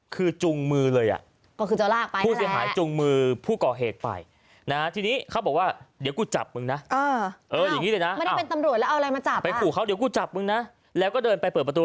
ก็เลยจับคือจุงมือเลยอะ